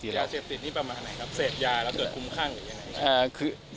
ยาเสพติดนี่เป็นประมาณไหนครับเสพยาและเจอดภูมิค่างหรือยังไหน